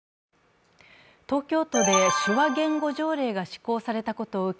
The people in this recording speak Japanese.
東京都で手話言語条例が施行されたことを受け